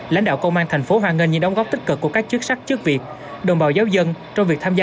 lãnh đạo công an tp cn hòa ngân những đóng góp tích cực của các chức sắc chức việc đồng bào giáo dân trong việc tham gia